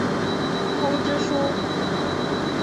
通知书。